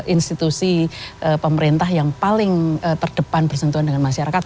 institusi pemerintah yang paling terdepan bersentuhan dengan masyarakat